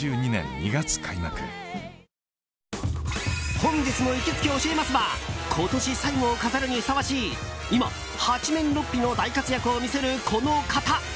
本日の行きつけ教えます！は今年最後を飾るにふさわしい今、八面六臂の大活躍を見せるこの方。